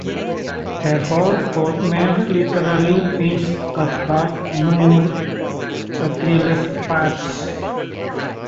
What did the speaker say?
Therefore, Boldmere literally means a "bald moor"; a treeless patch.